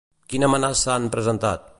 Quina amenaça han presentat?